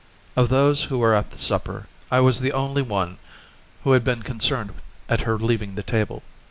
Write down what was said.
Of those who were at the supper, I was the only one who had been concerned at her leaving the table.